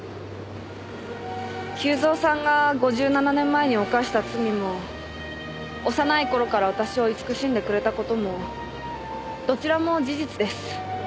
久造さんが５７年前に犯した罪も幼い頃から私を慈しんでくれた事もどちらも事実です。